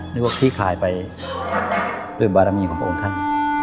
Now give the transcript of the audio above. นึกว่าขี้คายไปด้วยบารมีของพระองค์ท่าน